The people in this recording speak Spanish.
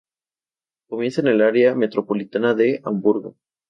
Comienza en el área metropolitana de Hamburgo.